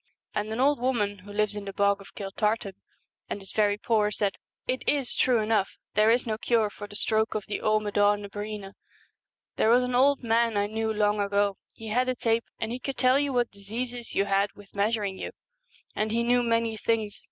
' And an old woman who lives in the Bog of Kiltartan, and is very poor, said, 'It is true enough, there is no cure for the stroke of the Amad&n na Breena. There was an old man I knew long ago, he had a tape, and he could tell what diseases you had with measuring you ; and he knew many things.